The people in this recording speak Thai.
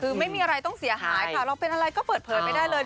คือไม่มีอะไรต้องเสียหายค่ะเราเป็นอะไรก็เปิดเผยไม่ได้เลย